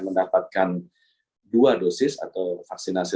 mendapatkan dua dosis atau vaksinasi